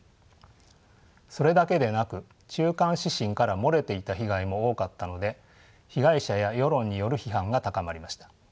それだけでなく中間指針から漏れていた被害も多かったので被害者や世論による批判が高まりました。